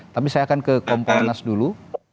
tapi saya akan ke kompolnas dulu